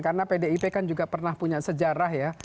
karena pdip kan juga pernah punya sejarah ya